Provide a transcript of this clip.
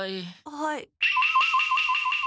はい。